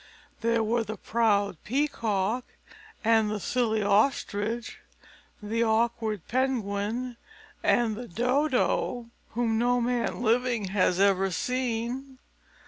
There were the proud Peacock and the silly Ostrich, the awkward Penguin and the Dodo, whom no man living has ever seen.